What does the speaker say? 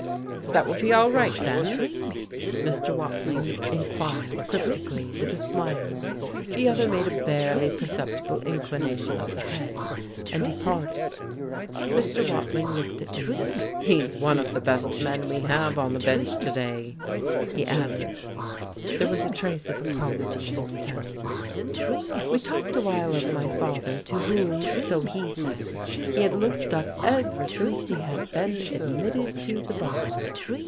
"That will be all right, then?" Mr. Watling inquired cryptically, with a smile. The other made a barely perceptible inclination of the head and departed. Mr. Watling looked at me. "He's one of the best men we have on the bench to day," he added. There was a trace of apology in his tone. He talked a while of my father, to whom, so he said, he had looked up ever since he had been admitted to the bar.